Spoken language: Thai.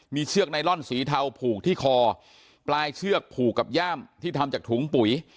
มีเชือกไนลอนสีเทาผูกที่คอปลายเชือกผูกกับย่ามที่ทำจากถุงปุ๋ย